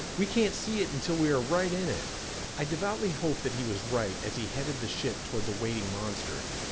"We can't see it until we are right in it." I devoutly hoped that he was right as he headed the ship toward the waiting monster.